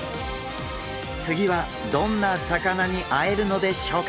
次はどんな魚に会えるのでしょうか？